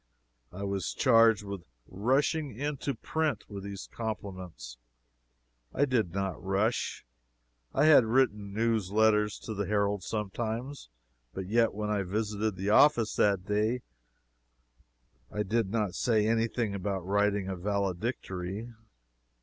I was charged with "rushing into print" with these compliments. I did not rush. I had written news letters to the Herald sometimes, but yet when I visited the office that day I did not say any thing about writing a valedictory.